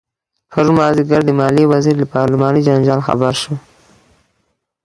پرون مازدیګر د مالیې وزیر له پارلماني جنجال خبر شو.